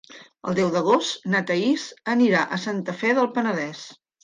El deu d'agost na Thaís anirà a Santa Fe del Penedès.